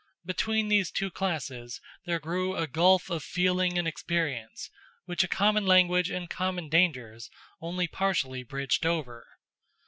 Between these two classes there grew a gulf of feeling and experience, which a common language and common dangers only partially bridged over.